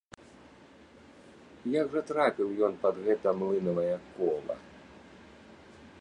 Як жа трапіў ён пад гэта млынавае кола?!